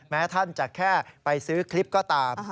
แม้ท่านจะแค่ไปซื้อคลิปก็ตาม